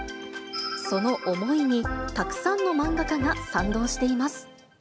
その思いに、たくさんの漫画家が賛同しています。